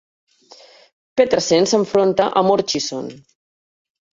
Petersen s'enfronta a Murchison.